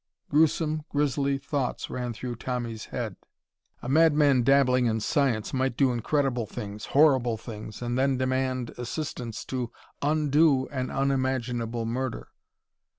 Gruesome, grisly thoughts ran through Tommy's head. A madman dabbling in science might do incredible things, horrible things, and then demand assistance to undo an unimaginable murder....